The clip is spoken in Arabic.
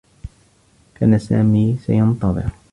كان سامي سينتظر.